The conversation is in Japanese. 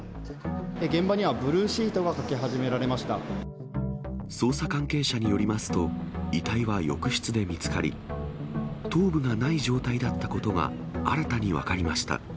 現場にはブルーシートがかけ捜査関係者によりますと、遺体は浴室で見つかり、頭部がない状態だったことが新たに分かりました。